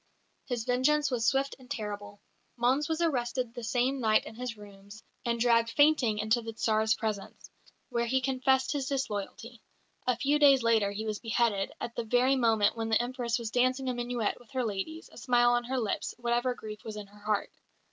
His vengeance was swift and terrible. Mons was arrested the same night in his rooms, and dragged fainting into the Tsar's presence, where he confessed his disloyalty. A few days later he was beheaded, at the very moment when the Empress was dancing a minuet with her ladies, a smile on her lips, whatever grief was in her heart.